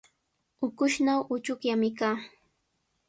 Ukushnaw uchukllami kaa.